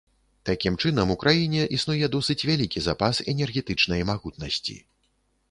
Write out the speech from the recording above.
Такім чынам, у краіне існуе досыць вялікі запас энергетычнай магутнасці.